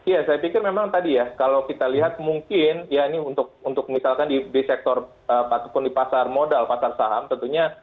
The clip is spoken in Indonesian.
ya saya pikir memang tadi ya kalau kita lihat mungkin ya ini untuk misalkan di sektor ataupun di pasar modal pasar saham tentunya